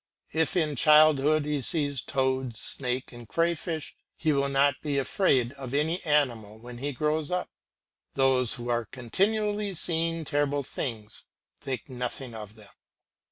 If in childhood he sees toads, snakes, and crayfish, he will not be afraid of any animal when he is grown up. Those who are continually seeing terrible things think nothing of them.